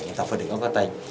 người ta phải để nó có tên